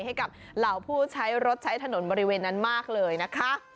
ให้กับเหล่าผู้ใช้รถใช้ถนนบริเวณนั้นมากเลยนะคะ